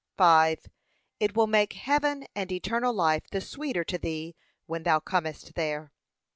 5. And it will make heaven and eternal life the sweeter to thee when thou comest there.